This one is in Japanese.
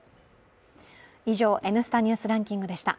以上、「Ｎスタ・ニュースランキング」でした。